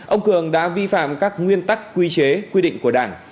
ông cường đã vi phạm các nguyên tắc quy chế quy định của đảng